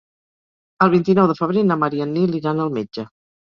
El vint-i-nou de febrer na Mar i en Nil iran al metge.